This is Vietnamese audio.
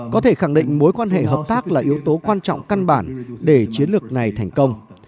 có thể khẳng định mối quan hệ hợp tác là yếu tố quan trọng căn bản để chiến lược này thành công